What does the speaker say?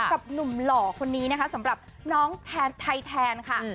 กับหนุ่มหล่อคนนี้นะคะสำหรับน้องแทนไทยแทนค่ะ